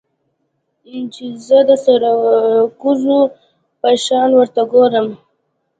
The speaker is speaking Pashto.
چې زه د سرکوزو په شان ورته گورم.